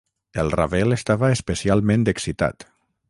El Ravel estava especialment excitat.